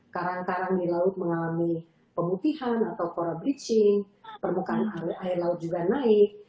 karang karang di laut mengalami pemutihan atau corabridging permukaan air laut juga naik